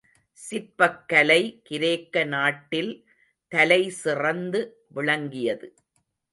சிற்பக்கலை கிரேக்க நாட்டில் தலைசிறந்து விளங்கியது.